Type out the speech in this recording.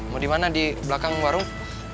mau dimana di belakang warung